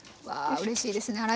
わあうれしいですね